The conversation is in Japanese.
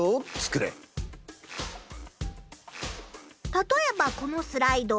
たとえばこのスライド。